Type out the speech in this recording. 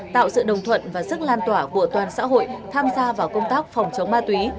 tạo sự đồng thuận và sức lan tỏa của toàn xã hội tham gia vào công tác phòng chống ma túy